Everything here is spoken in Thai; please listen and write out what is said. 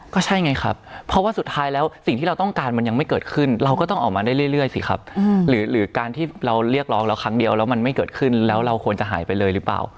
ก็ใช่ไงครับเพราะว่าสุดท้ายแล้วสิ่งที่เราต้องการมันยังไม่เกิดขึ้นเราก็ต้องออกมาได้เรื่อยสิครับหรือการที่เราเรียกร้องแล้วครั้งเดียวแล้วมันไม่เกิดขึ้นแล้วเราควรจะหายไปเลยหรือเปล่า